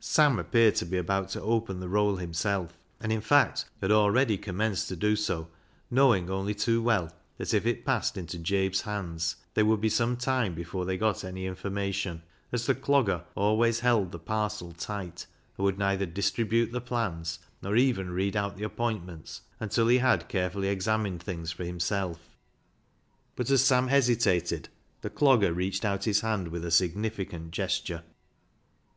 Sam appeared to be about to open the roll himself, and, in fact, had already commenced to do so, knowing only too well that if it passed into Jabe's hands they would be some time before they got any information, as the Clogger always held the parcel tight, and would neither distribute the plans nor even read out the appointments until he had carefully examined things for himself. But as Sam hesitated, the Clogger reached out his hand with a significant gesture.